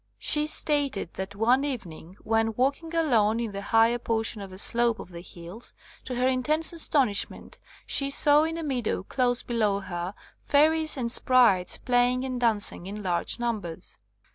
'' She stated that one evening, when walk ing alone on the higher portion of a slope of the hills, to her intense astonishment she saw in a meadow close below her fairies and sprites playing and dancing in large num bers.